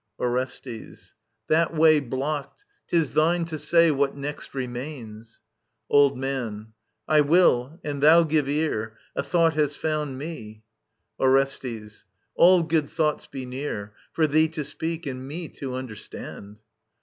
Orestes. That way blocked !— ^'Tis thine to say What next remains. Old Man. I will ; and thou give ear. A thought has found me I Orestes. All good thoughts be near, For thee to speak and me to understand